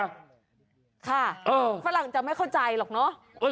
ฝรั่งจะไม่เข้าใจหรอกเนอะ